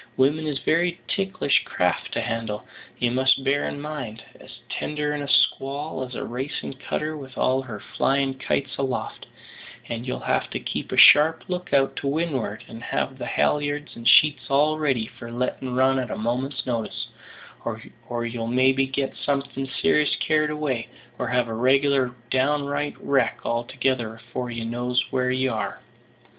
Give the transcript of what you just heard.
Women is very ticklish craft to handle, you must bear in mind; as tender in a squall as a racin' cutter with all her flyin' kites aloft; and you'll have to keep a sharp look out to win'ard, and have the halliards and sheets all ready for lettin' run at a moment's notice, or you'll maybe get something ser'ous carried away, or have a reg'lar downright wrack altogether afore you knows where you are."